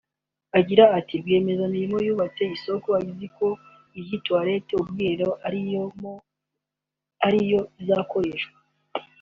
Agira ati “rwiyemezamirimo yubatse isoko aziko iyi toilette (ubwiherero) irimo ariyo izakoreshwa